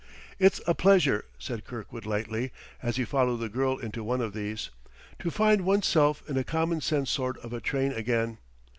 "It's a pleasure," said Kirkwood lightly, as he followed the girl into one of these, "to find one's self in a common sense sort of a train again.